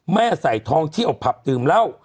แม่ใส่ทองเที่ยวผับดื่มเหล้า